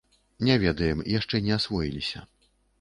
Не ведаем, яшчэ не асвоіліся.